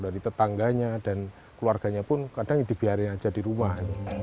dari tetangganya dan keluarganya pun kadang dibiarin aja di rumah